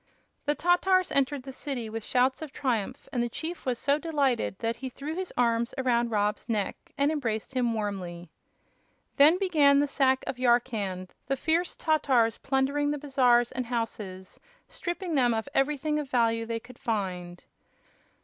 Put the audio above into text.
The Tatars entered the city with shouts of triumph, and the chief was so delighted that he threw his arms around Rob's neck and embraced him warmly. Then began the sack of Yarkand, the fierce Tatars plundering the bazaars and houses, stripping them of everything of value they could find.